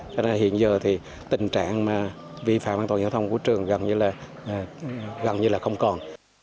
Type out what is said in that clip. cho nên hiện giờ thì tình trạng vi phạm an toàn giao thông của trường gần như là không còn